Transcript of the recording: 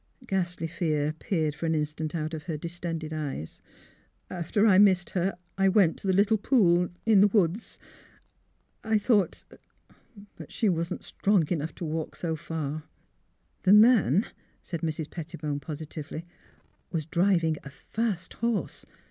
Ghastly fear peered for an instant out of her distended eyes. " I — after I missed her, I went to the little pool back in the woods. ... I thought — but she was not strong enough to walk so far." '' The man," said Mrs. Pettibone, positively, *' was driving a fast horse.